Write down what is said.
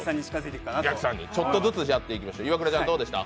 ちょっとずつやっていきましょう。